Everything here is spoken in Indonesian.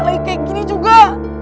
lagi kayak gini juga